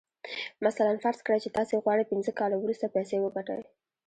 مثلاً فرض کړئ چې تاسې غواړئ پينځه کاله وروسته پيسې وګټئ.